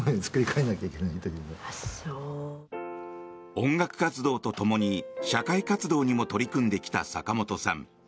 音楽活動とともに社会活動にも取り組んできた坂本さん。